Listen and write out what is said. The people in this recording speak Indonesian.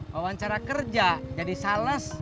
bawa cara kerja jadi sales